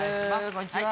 こんにちは